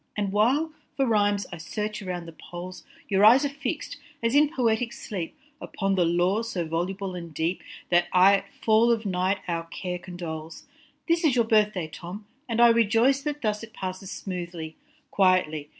And while, for rhymes, I search around the poles, Your eyes are fix d, as in poetic sleep, Upon the lore so voluble and deep, That aye at fall of night our care condoles. This is your birth day Tom, and I rejoice That thus it passes smoothly, quietly.